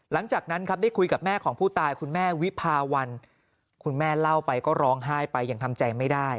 หลังจากนั้นครับได้คุยกับแม่ของผู้ตายคุณแม่วิภาวันคุณแม่เล่าไปก็ร้องไห้ไปยังทำใจไม่ได้